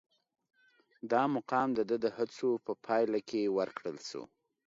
دا مقام د ده د هڅو په پایله کې ورکړل شو.